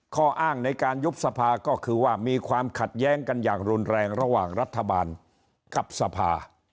ข้ออ้างในการยุบสภาก็คือว่ามีความขัดแย้งกันอย่างรุนแรงระหว่างรัฐบาลกับสภา